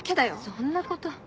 そんなこと。